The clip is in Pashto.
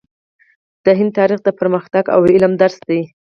د هند تاریخ د پرمختګ او علم درس دی.